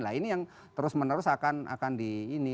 nah ini yang terus menerus akan di ini